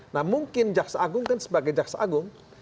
nah mungkin jaksa agung kan sebagai jaksa agung